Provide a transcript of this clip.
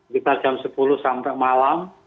kita jam sepuluh sampai malam